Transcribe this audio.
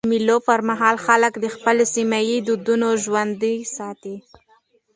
د مېلو پر مهال خلک د خپل سیمي دودونه ژوندي ساتي.